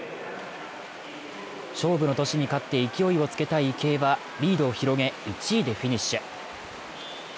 勝負の年に勝って勢いをつけたい池江はリードを広げ、１位でフィニッシュ。